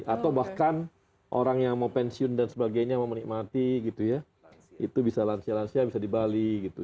atau bahkan orang yang mau pensiun dan sebagainya mau menikmati gitu ya itu bisa lansia lansia bisa di bali gitu